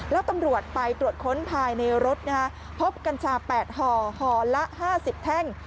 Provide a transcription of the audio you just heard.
แล้วตำรวจไปตรวจค้นภายในรถพบกัญชา๘ห่อห่อละ๕๐แท่ง